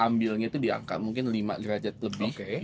ambilnya itu diangka mungkin lima derajat lebih